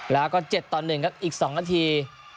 แล้วก็๗ต่อ๑ครับอีก๒นาที